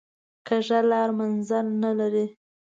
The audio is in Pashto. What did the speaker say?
کوږه لار منزل نه لري